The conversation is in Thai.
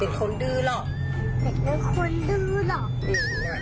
สุดท้ายของพ่อต้องรักมากกว่านี้ครับ